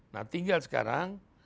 nah tinggal sekarang